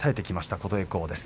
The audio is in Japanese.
琴恵光です。